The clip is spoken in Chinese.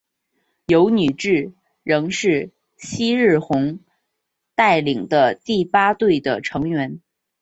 油女志乃是夕日红带领的第八队的成员。